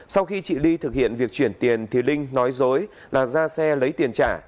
sau khi chị ly thực hiện việc chuyển tiền thì linh nói dối là ra xe lấy tiền trả